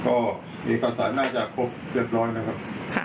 ก็เอกสารน่าจะครบเรียบร้อยนะครับ